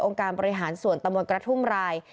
องค์การบริหารส่วนตมรกระทุ่มราย